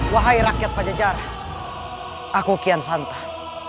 wahai rakyat pajajara aku kian santan